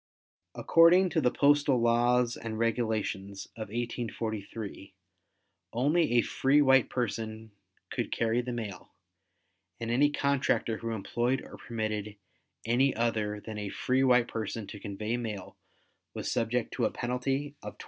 According to the Postal Laws and Regulations of 1843, only a free white person could carry the mail and any contractor who employed or permitted any other than a free white person to convey mail was subject to a penalty of $20.